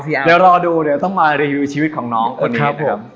เดี๋ยวรอดูเดี๋ยวต้องมารีวิวชีวิตของน้องคนนี้ครับผม